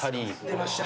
出ました。